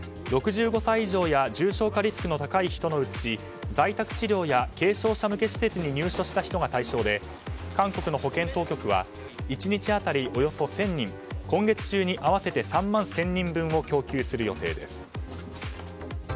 ６５歳以上や重症化リスクの高い人のうち在宅治療や軽症者向けの施設に入所した人が対象で、韓国の保健当局は１日当たりおよそ１０００人今月中に合わせて３万１０００人分を供給する予定です。